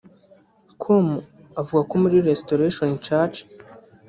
com avuga ko muri Restoration church